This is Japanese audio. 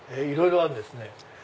いろいろあるんですね。